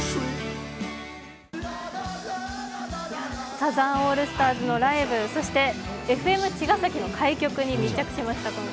サザンオールスターズのライブ、そしてＦＭ茅ヶ崎の開局でした。